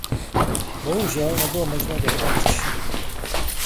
Bohužel nebylo možné dohodnout řešení.